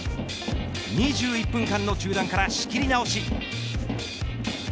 ２１分間の中断から仕切り直し。